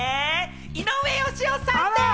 井上芳雄さんでぃす！